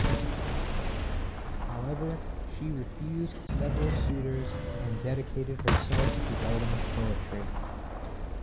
However, she refused several suitors and dedicated herself to writing poetry.